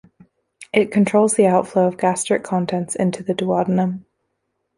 It controls the outflow of gastric contents into the duodenum.